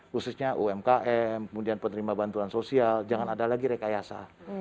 khususnya umkm kemudian penerima bantuan sosial jangan ada lagi rekayasa